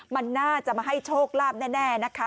มันน่าจะมาให้โชคลาภแน่นะคะ